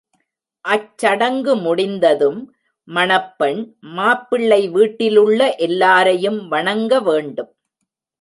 அச்சடங்கு முடிந்ததும் மணப்பெண், மாப்பிள்ளை வீட்டிலுள்ள எல்லாரையும் வணங்கவேண்டும்.